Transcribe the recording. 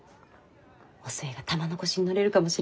お寿恵が玉のこしに乗れるかもしれないの。